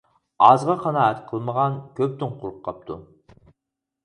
ئازغا قانائەت قىلمىغان كۆپتىن قۇرۇق قاپتۇ.